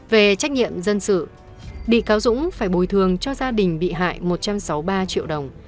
về trách nhiệm dân sự bị cáo dũng phải bồi thường cho gia đình bị hại một trăm sáu mươi ba triệu đồng